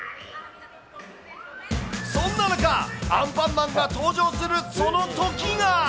そんな中、アンパンマンが登場するその時が。